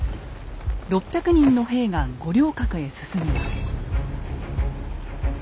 ６００人の兵が五稜郭へ進みます。